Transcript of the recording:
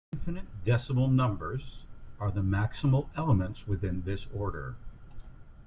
The infinite decimal numbers are the maximal elements within this order.